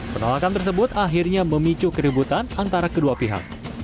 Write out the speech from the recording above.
penolakan tersebut akhirnya memicu keributan antara kedua pihak